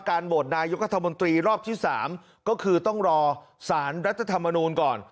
โหวตนายกัธมนตรีรอบที่๓ก็คือต้องรอสารรัฐธรรมนูลก่อน